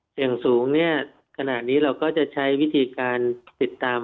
เสี่ยงสูงเนี่ยขณะนี้เราก็จะใช้วิธีการติดตาม